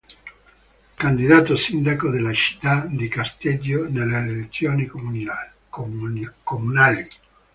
Candidato sindaco della città di Casteggio nelle elezioni comunali.